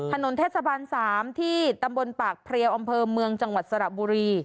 ถนนเทศบาล๓ที่ตำบลปากเพลียวอำเภอเมืองจังหวัดสระบุรี